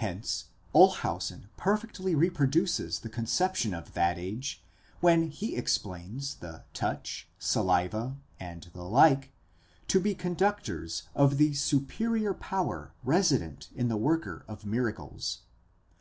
24 Hence Olshausen perfectly reproduces the conception of that age when he explains the touch, saliva, and the like, to be conductors of the superior power resident in the worker of miracles.